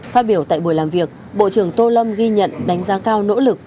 phát biểu tại buổi làm việc bộ trưởng tô lâm ghi nhận đánh giá cao nỗ lực